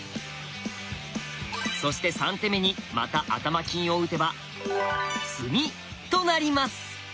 そして３手目にまた頭金を打てば詰みとなります。